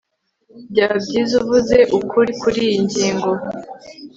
byaba byiza uvuze ukuri kuriyi ngingo